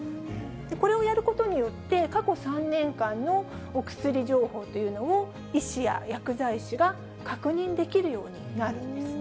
これをやることによって、過去３年間のお薬情報というのを、医師や薬剤師が確認できるようになるんですね。